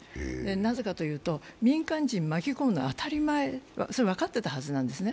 なぜかと言うと、民間人を巻き込んで当たり前、それ、分かってたはずなんですね。